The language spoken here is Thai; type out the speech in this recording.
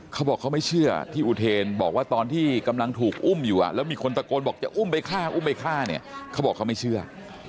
เขาบอกเขาไม่เชื่อที่อุเทนบอกว่าตอนที่กำลังถูกอุ้มอยู่แล้วมีคนตะโกนบอกจะอุ้มไปฆ่าอุ้มไปฆ่าเนี่ยเขาบอกเขาไม่เชื่อ